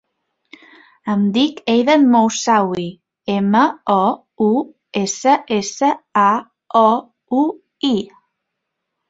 Em dic Eidan Moussaoui: ema, o, u, essa, essa, a, o, u, i.